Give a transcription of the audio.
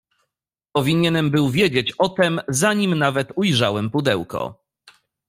"Powinienem był wiedzieć o tem, zanim nawet ujrzałem pudełko."